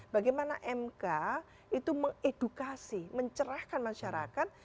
bagaimana mk itu mengedukasi mencerahkan masyarakat